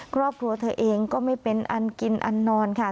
ครอบครัวเธอเองก็ไม่เป็นอันกินอันนอนค่ะ